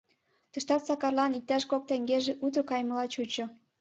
Тыштат Сакарлан иктаж кок теҥгеже уто кайымыла чучо.